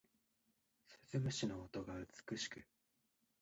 鈴虫の音が美しく